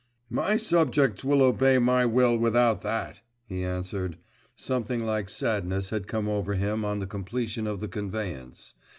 'My subjects will obey my will without that!' he answered. Something like sadness had come over him on the completion of the conveyance.